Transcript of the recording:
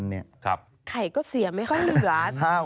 ไข่ก็เสียไม่ค่อยเหลือ